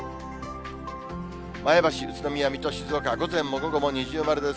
前橋、宇都宮、水戸、静岡、午前も午後も二重丸です。